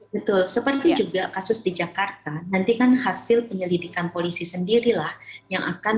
betul seperti juga kasus di jakarta nanti kan hasil penyelidikan polisi sendirilah yang akan